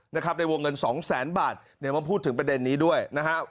ในวงเงิน๒๐๐๐๐๐บาทพูดถึงประเด็นนี้ด้วยนะครับ